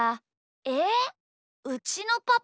ええうちのパパが？